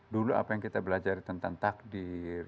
dulu apa yang kita belajar tentang takdir